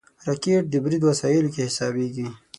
راکټ د برید وسایلو کې حسابېږي